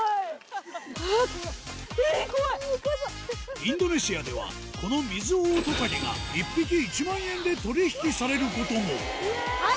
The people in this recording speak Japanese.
インドネシアではこのミズオオトカゲが１匹１万円で取引されることもはい！